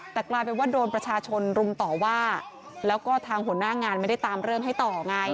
แต่กลายเป็นว่าโดนประชาชนรุมต่อว่าแล้วก็ทางหัวหน้างานไม่ได้ตามเรื่องให้ต่อไง